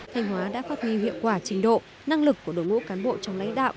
thanh hóa đã phát huy hiệu quả trình độ năng lực của đội ngũ cán bộ trong lãnh đạo